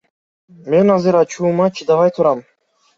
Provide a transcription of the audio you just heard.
Мен азыр ачуума чыдабай турам.